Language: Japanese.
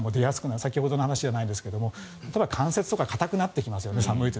先ほどの話じゃないですが例えば関節とか硬くなってきますよね、寒いと。